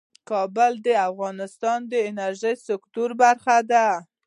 کابل د افغانستان د انرژۍ سکتور برخه ده.